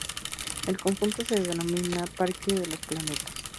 El conjunto se denomina Parque de los planetas.